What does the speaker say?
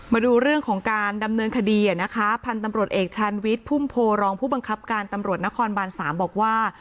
มาดูเรื่องของการดำเนินคดีนะคะพันธุ์ตำรวจเอกชาญวิทย์พุ่มโพรองผู้บังคับการตำรวจนครบาน๓บอกว่า